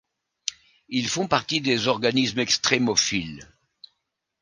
Ils font partie des organismes extrémophiles.